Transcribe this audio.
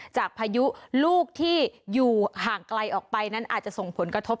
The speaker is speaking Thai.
พายุลูกที่อยู่ห่างไกลออกไปนั้นอาจจะส่งผลกระทบ